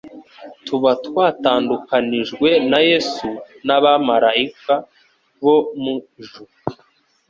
tuba twatandukanijwe na Yesu n'abamaraika bo mu ijuru.